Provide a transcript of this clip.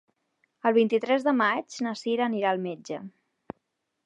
El vint-i-tres de maig na Sira anirà al metge.